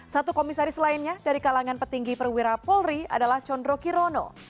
satu komisaris lainnya dari kalangan petinggi perwira polri adalah condro kirono